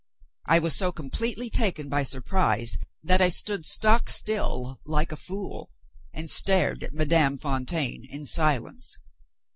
I was so completely taken by surprise, that I stood stock still like a fool, and stared at Madame Fontaine in silence.